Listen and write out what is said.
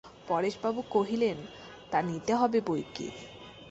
পরেশবাবু কহিলেন, তা নিতে হবে বৈকি।